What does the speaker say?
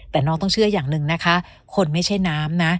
แต่น้องต้องเชื่ออย่างหนึ่งนะคะคนไม่ใช่น้ำนะ